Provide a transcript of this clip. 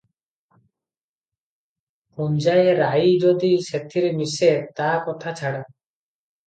ପୁଞ୍ଜାଏ ରାଇ ଯଦି ସେଥିରେ ମିଶେ, ତା କଥା ଛାଡ଼ ।